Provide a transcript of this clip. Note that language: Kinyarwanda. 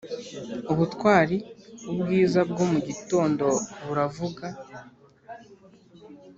"ubutwari!" ubwiza bwo mu gitondo buravuga;